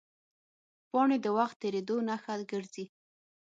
پاڼې د وخت تېرېدو نښه ګرځي